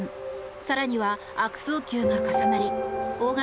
更には悪送球が重なり大垣